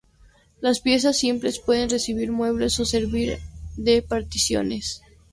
Las piezas simples pueden recibir muebles o servir de particiones.